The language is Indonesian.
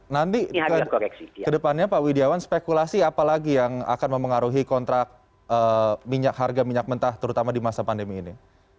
nanti ke depannya pak widjawan spekulasi apa lagi yang akan mempengaruhi kontrak harga minyak mentah terutama di masa pandemi ini